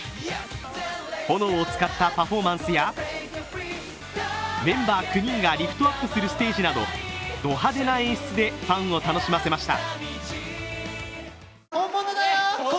炎を使ったパフォーマンスやメンバー９人がリフトアップするステージなどド派手な演出でファンを楽しませました。